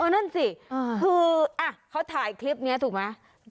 นั่นสิคือเขาถ่ายคลิปนี้ถูกไหม